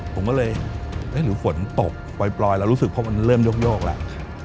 ผมก็เลยหรือฝนตกปล่อยแล้วรู้สึกพบว่ามันเริ่มโยกแล้ว